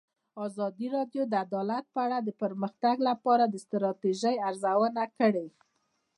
ازادي راډیو د عدالت په اړه د پرمختګ لپاره د ستراتیژۍ ارزونه کړې.